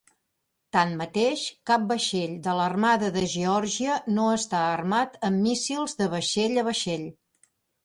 Tanmateix, cap vaixell de l'armada de Geòrgia no està armat amb míssils de vaixell a vaixell.